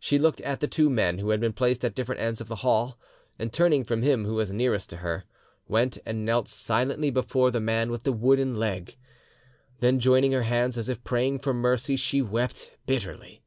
She looked at the two men, who had been placed at different ends of the hall, and turning from him who was nearest to her, went and knelt silently before the man with the wooden leg; then, joining her hands as if praying for mercy, she wept bitterly.